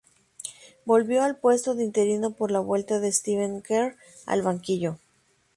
Volvió al puesto de interino por la vuelta de Steve Kerr al banquillo.